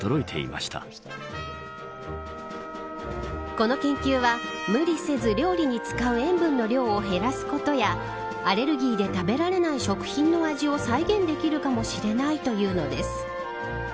この研究は、無理せず料理に使う塩分の量を減らすことやアレルギーで食べられない食品の味を再現できるかもしれないというのです。